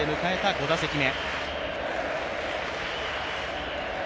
５打席目。